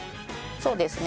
そうですね。